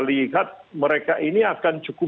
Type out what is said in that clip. lihat mereka ini akan cukup